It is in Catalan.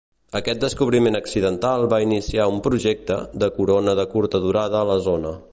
Aquest descobriment accidental va iniciar un "projecte" de corona de curta durada a la zona.